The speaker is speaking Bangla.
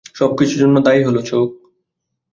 সবকিছুর জন্যে দায়ী হল চোখ।